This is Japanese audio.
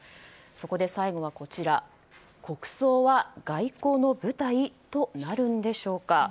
そこで最後は、国葬は外交の舞台となるんでしょうか。